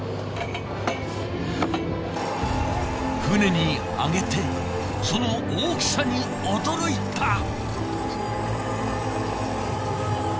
船に揚げてその大きさに驚いた。